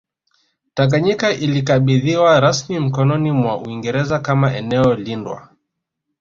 Tanganyika ilikabidhiwa rasmi mikononi mwa Uingereza kama eneo lindwa